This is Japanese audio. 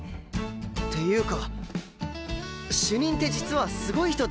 っていうか主任って実はすごい人だったんですね。